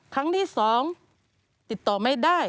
ครั้งที่๒ติดต่อไม่ได้